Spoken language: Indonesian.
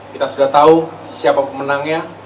kita sudah tahu siapa pemenangnya